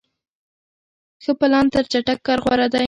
ښه پلان تر چټک کار غوره دی.